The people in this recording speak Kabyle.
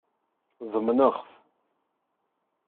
Ḍemneɣ-t.